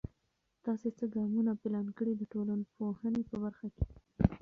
تاسې څه ګامونه پلان کړئ د ټولنپوهنې په برخه کې؟